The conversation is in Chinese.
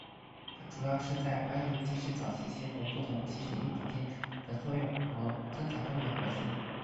它主要是在翻译起始早期协同不同起始因子间的作用和增强它们的活性。